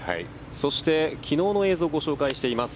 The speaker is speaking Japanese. そして、昨日の映像をご紹介しています。